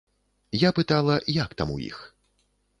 Я пытала, як там у іх.